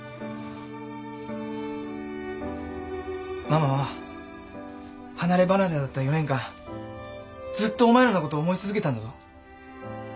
ママは離れ離れだった４年間ずっとお前らのこと思い続けたんだぞ。